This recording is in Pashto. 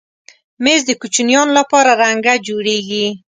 مېز د کوچنیانو لپاره رنګه جوړېږي.